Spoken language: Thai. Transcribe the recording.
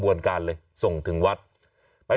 เบื้องต้น๑๕๐๐๐และยังต้องมีค่าสับประโลยีอีกนะครับ